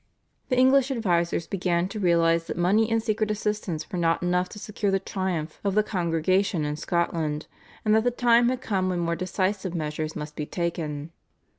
The English advisers began to realise that money and secret assistance were not enough to secure the triumph of the Congregation in Scotland, and that the time had come when more decisive measures must be taken.